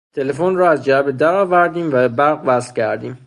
تلفن را از جعبه درآوردیم و به برق وصل کردیم.